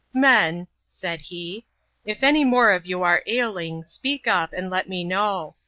" Men," said he, " if any more of you are ailing, speak up, and let me know.